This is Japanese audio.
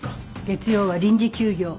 月曜は臨時休業。